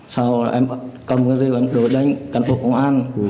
sau em cầm rượu em đổi đánh cán bộ công an